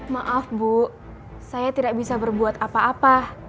maaf bu saya tidak bisa berbuat apa apa